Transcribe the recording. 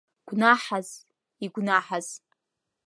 Гәнаҳаз, игәнаҳаз…